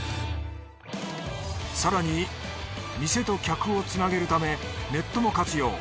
更に店と客をつなげるためネットも活用